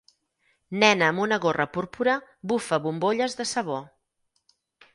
Nena amb una gorra púrpura bufa bombolles de sabó.